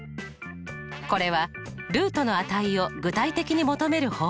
これはルートの値を具体的に求める方法です。